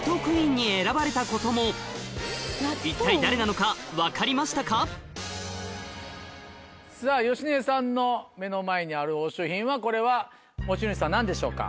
実は持ち主さんさぁ芳根さんの目の前にある押収品はこれは持ち主さん何でしょうか？